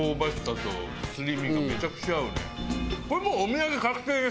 これもうお土産確定です。